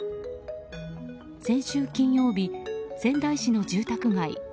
先週金曜日、仙台市の住宅街。